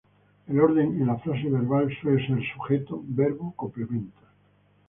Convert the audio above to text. El orden en la frase verbal suele ser sujeto, verbo, complementos.